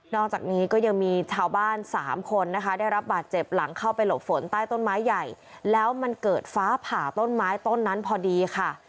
อกจากนี้ก็ยังมีชาวบ้านสามคนนะคะได้รับบาดเจ็บหลังเข้าไปหลบฝนใต้ต้นไม้ใหญ่แล้วมันเกิดฟ้าผ่าต้นไม้ต้นนั้นพอดีค่ะ